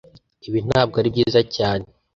Ibi ntabwo ari byiza cyane